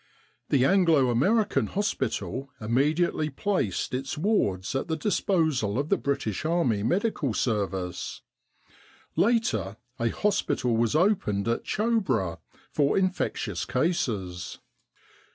The Anglo American Hospital immediately placed its wards at the disposal of the British Army Medical Service. Later, a hospital was opened at Choubra for infectious cases.